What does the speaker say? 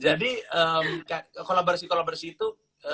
jadi kolaborasi kolaborasi itu